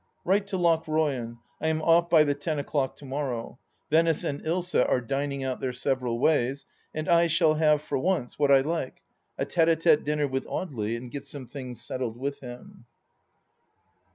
Write to Lochroyan. I am off by the ten o'clock to morrow. Venice and Ilsa are dining out their several ways, and I shall have, for once, what I like, a tSte d tSte dinner with Audely, and get some things settled with him.